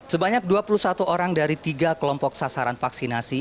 sebanyak dua puluh satu orang dari tiga kelompok sasaran vaksinasi